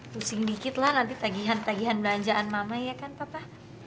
pusing dikit lah nanti tagihan tagihan belanjaan mama ya kan papa